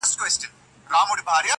زما كيسه به ښايي نه وي د منلو!.